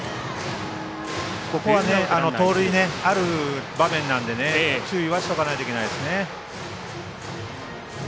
ここは盗塁ある場面なんで注意はしとかないといけないですね。